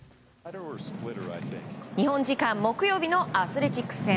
日本時間、木曜日のアスレチックス戦。